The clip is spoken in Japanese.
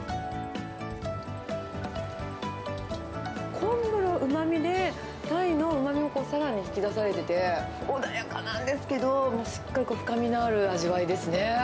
昆布のうまみで、タイのうまみもさらにこう引き出されていて、穏やかなんですけど、しっかり深みのある味わいですね。